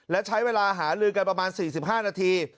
และใช้เวลาหาลือกันประมาณ๔๕นาที